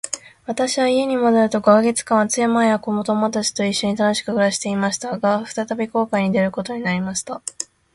私は家に戻ると五ヵ月間は、妻や子供たちと一しょに楽しく暮していました。が、再び航海に出ることになりました。